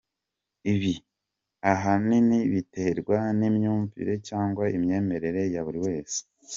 Ibi ahanini biterwa n’imyumvire cyangwa imyemerere ya buri wese.